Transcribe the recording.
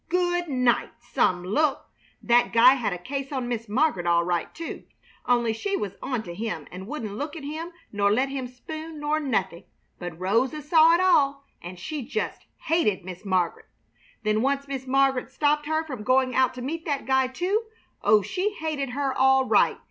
Good night! Some look! The guy had a case on Miss Mar'get, all right, too, only she was onto him and wouldn't look at him nor let him spoon nor nothing. But Rosa saw it all, and she just hated Miss Mar'get. Then once Miss Mar'get stopped her from going out to meet that guy, too. Oh, she hated her, all right!